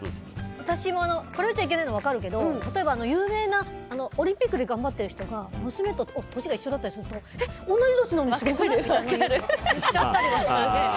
私もこれを言っちゃいけないのは分かるけど例えば有名なオリンピックで頑張っている人が娘と年が一緒だったりすると同じ年の人！って言っちゃったりする。